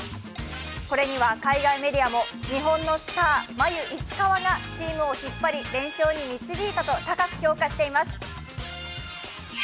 これには海外メディアも日本のスターマユ・イシカワがチームを引っ張り連勝に導いたと高く評価しています。